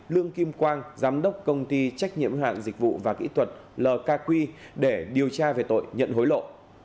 lương kim quang giám đốc công ty trách nhiệm hạn dịch vụ và kỹ thuật lk để điều tra về tội nhận hối lộ